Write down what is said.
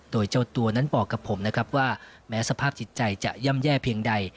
โดยเจ้าตัวนั้นบอกกับผมนะครับว่าแม้สภาพจิตใจจะย่ำแย่เพียงใด